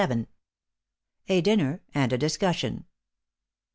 * *A DINNER AND A DISCUSSION.